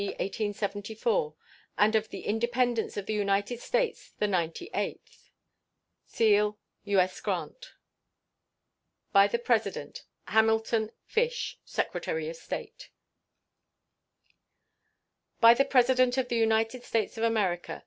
1874, and of the Independence of the United States the ninety eighth. [SEAL.] U.S. GRANT. By the President: HAMILTON FISH, Secretary of State. BY THE PRESIDENT OF THE UNITED STATES OF AMERICA.